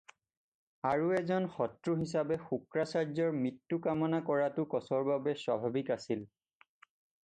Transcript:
আৰু এজন শত্ৰু হিচাবে শুক্ৰাচাৰ্য্যৰ মৃত্যু কামনা কৰাটো কচৰ বাবে স্বাভাৱিক আছিল।